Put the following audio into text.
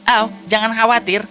oh jangan khawatir